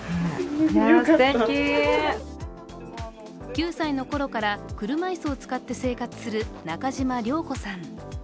９歳のころから車椅子を使って生活する中嶋涼子さん。